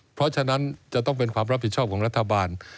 เพราะฉะนั้นจะต้องเป็นความรับผิดชอบของรัฐบาล